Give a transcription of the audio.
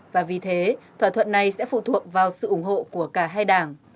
và vì thế thỏa thuận này sẽ phụ thuộc vào sự ủng hộ của cả hai đảng